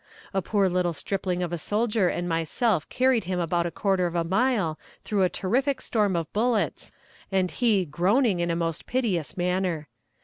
A poor little stripling of a soldier and myself carried him about a quarter of a mile through a terrific storm of bullets, and he groaning in a most piteous manner.